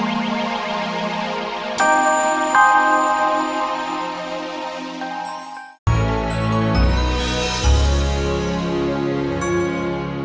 panyalah langsung aja ya